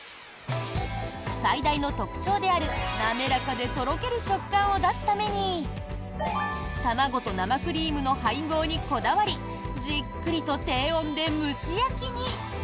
最大の特徴である、滑らかでとろける食感を出すために卵と生クリームの配合にこだわりじっくりと低温で蒸し焼きに。